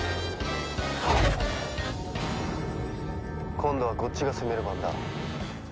今度はこっちが攻める番だ。